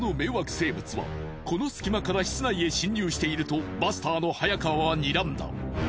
生物はこの隙間から室内へ侵入しているとバスターの早川はにらんだ。